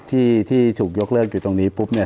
ที่ถูกยกเลิกอยู่ตรงนี้ปุ๊บเนี่ย